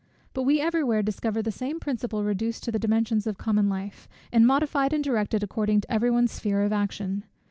But we every where discover the same principle reduced to the dimensions of common life, and modified and directed according to every one's sphere of action.